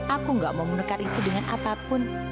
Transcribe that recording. aku gak mau menukar itu dengan apapun